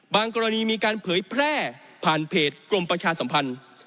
กรณีมีการเผยแพร่ผ่านเพจกรมประชาสัมพันธ์